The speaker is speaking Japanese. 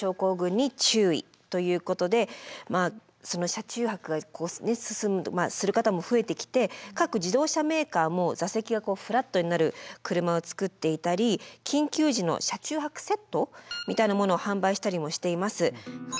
車中泊がする方も増えてきて各自動車メーカーも座席がフラットになる車を作っていたり緊急時の車中泊セットみたいなものを販売したりもしています。